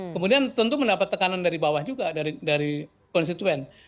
kemudian tentu mendapat tekanan dari bawah juga dari konstituen